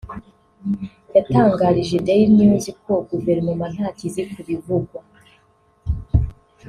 yatangarije Daily News ko Guverinoma ntacyo izi ku bivugwa